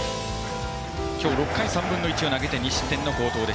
今日６回３分の１を投げて２失点の好投、金村。